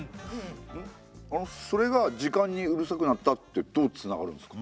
あのそれが時間にうるさくなったってどうつながるんですか？